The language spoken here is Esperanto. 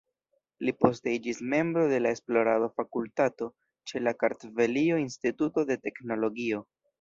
Li poste iĝis membro de la esplorado-fakultato ĉe la Kartvelio-Instituto de Teknologio.